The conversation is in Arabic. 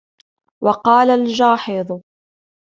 وَقَالَ الْجَاحِظُ